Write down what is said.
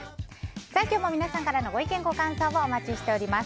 本日も皆さんからのご意見ご感想をお待ちしています。